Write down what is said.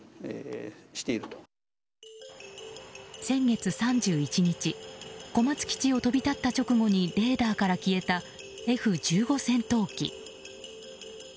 先月３１日小松基地を飛び立った直後にレーダーから消えたＦ１５戦闘機。